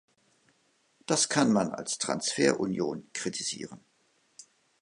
Das kann man als Transferunion kritisieren.